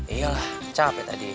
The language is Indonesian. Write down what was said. iya lah capek tadi